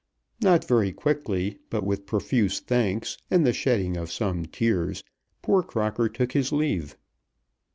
Not very quickly, but with profuse thanks and the shedding of some tears, poor Crocker took his leave.